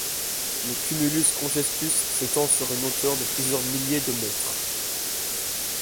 Le cumulus congestus s'étend sur une hauteur de plusieurs milliers de mètres.